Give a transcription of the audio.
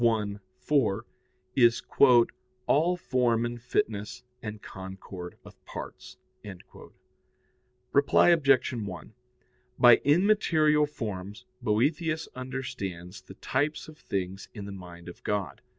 4], is "all form and fitness and concord of parts." Reply Obj. 1: By immaterial forms Boethius understands the types of things in the mind of God.